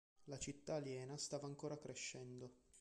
La città aliena stava ancora crescendo.